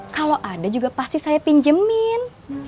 kalau ada juga pasti saya pinjemin